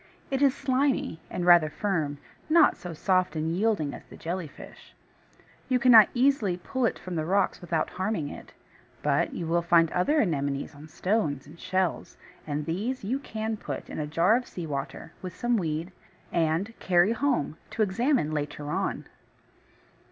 It is slimy, and rather firm, not so soft and yielding as the Jelly fish. You cannot easily pull it from the rocks without harming it; but you will find other Anemones on stones and shells; and these you can put in a jar of sea water, with some weed, and carry home to examine later on.